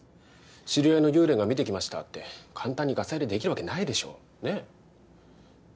「知り合いの幽霊が見てきました」って簡単にガサ入れできるわけないでしょねえ？